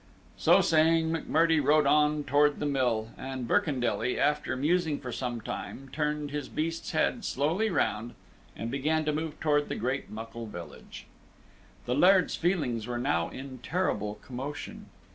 So saying, McMurdie rode on toward the mill, and Birkendelly, after musing for some time, turned his beast's head slowly round, and began to move toward the great muckle village. The Laird's feelings were now in terrible commotion.